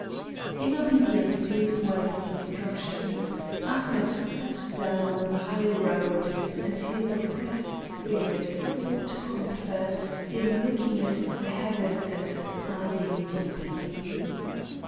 In obedience to his wife's instructions, Ahmet sat down on the highroad, and his oppressed spirit sought comfort in looking at the heavens and sighing deeply.